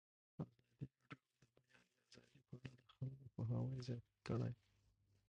ازادي راډیو د د بیان آزادي په اړه د خلکو پوهاوی زیات کړی.